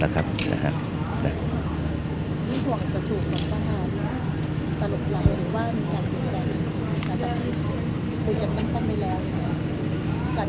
หลังจากที่คุยกันกันไม่แล้วใช่ไหมครับ